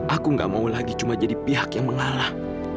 aku gak mau lagi cuma jadi pihak yang mengalah